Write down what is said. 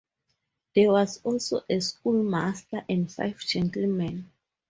There was also a schoolmaster and five gentlemen.